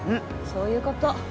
そういうこと。